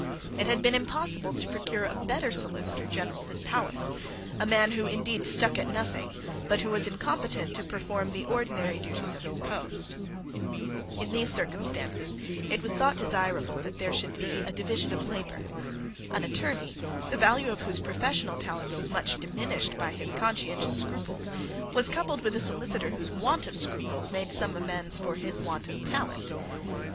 It had been impossible to procure a better Solicitor General than Powis, a man who indeed stuck at nothing, but who was incompetent to perform the ordinary duties of his post. In these circumstances it was thought desirable that there should be a division of labour. An Attorney, the value of whose professional talents was much diminished by his conscientious scruples, was coupled with a Solicitor whose want of scruples made some amends for his want of talents.